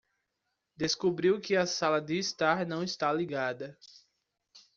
Descobriu que a sala de estar não está ligada